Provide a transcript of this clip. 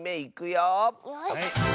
よし！